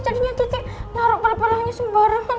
jadinya kiki naruh pelah pelahnya sembarangan